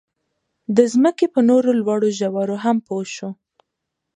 د ځمکې په نورو لوړو ژورو هم پوه شو.